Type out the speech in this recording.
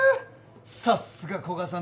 さっすが古賀さんだぜ。